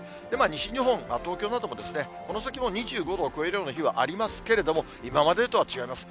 西日本、東京などもこの先も２５度を超えるような日はありますけれども、今までとは違います。